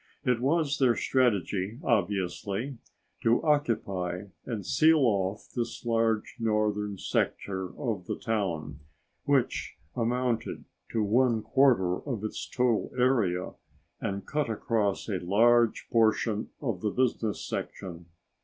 It was their strategy, obviously, to occupy and seal off this large northern sector of the town, which amounted to one quarter of its total area and cut across a large portion of the business section.